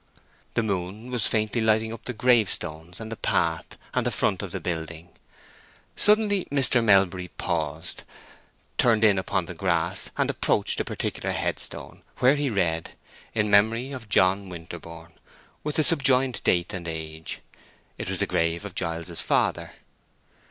The moon was faintly lighting up the gravestones, and the path, and the front of the building. Suddenly Mr. Melbury paused, turned ill upon the grass, and approached a particular headstone, where he read, "In memory of John Winterborne," with the subjoined date and age. It was the grave of Giles's father.